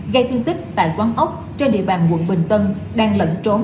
gây thiên tích tại quán ốc trên địa bàn quận bình tân đang lận trốn